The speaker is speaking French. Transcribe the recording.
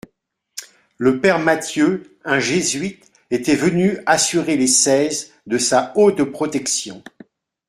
Le père Matthieu, un Jésuite, était venu assurer les Seize de sa haute protection.